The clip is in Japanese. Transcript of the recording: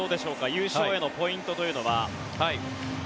優勝へのポイントというのは。